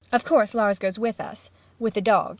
] Of course Lars goes with us with the dogs.